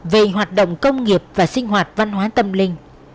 về hoạt động công nghiệp và sinh hoạt văn hóa tâm linh